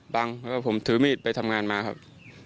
บางครั้งผมถือมีดไปทำงานมาครับ